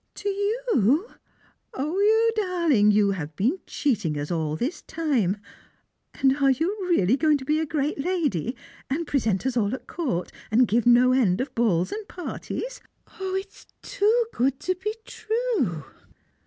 " To you ! 0, you darling, you have been cheating us all this time, and are you really going to be a great lady, and present us all at court, and give no end of balls and parties ? It's too good to be true."